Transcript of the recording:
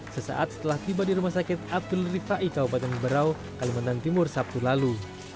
sesaat setelah tiba di rumah sakit abdul rifai kabupaten berau kalimantan timur sabtu lalu